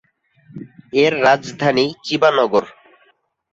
এর রাজধানী চিবা নগর।